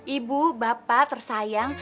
ibu bapak tersayang